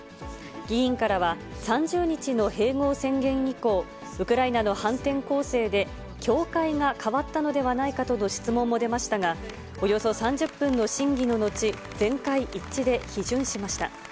議員からは、３０日の併合宣言以降、ウクライナの反転攻勢で、境界が変わったのではないかとの質問も出ましたが、およそ３０分の審議ののち、全会一致で批准しました。